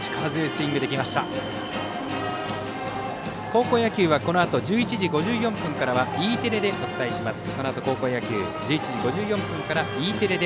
高校野球はこのあと１１時５４分からはＥテレでお伝えします。